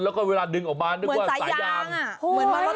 แล้วก็เวลาดึงออกมานึกว่าสายยางอะเฮ้ยเหมือนสายยาง